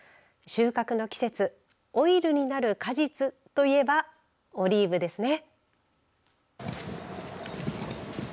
収穫の季節オイルになる果実といえばオリーブですね。